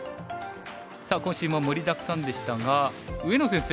さあ今週も盛りだくさんでしたが上野先生。